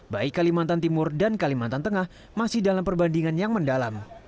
baik kalimantan timur dan kalimantan tengah masih dalam perbandingan yang mendalam